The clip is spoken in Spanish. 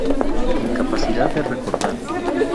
Incapacidad de recordar